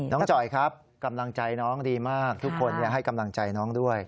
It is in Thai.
จ่อยครับกำลังใจน้องดีมากทุกคนให้กำลังใจน้องด้วย